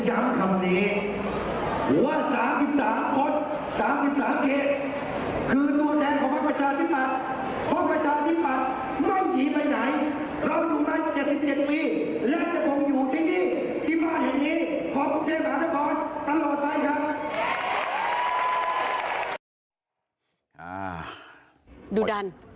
อ่าดูดัน